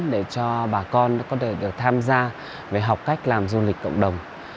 để cho bà con có thể được tham gia về học cách làm du lịch cộng đồng